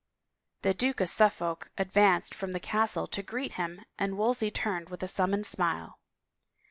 The Duke of Suffolk advanced from the castle to greet him and Wolsey turned with a summoned smile.